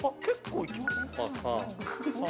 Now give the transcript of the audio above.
結構行きますね。